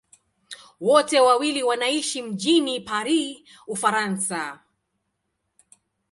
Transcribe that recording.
Wote wawili wanaishi mjini Paris, Ufaransa.